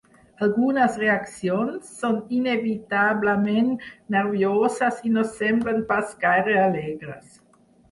Algunes reaccions són inevitablement nervioses i no semblen pas gaire alegres.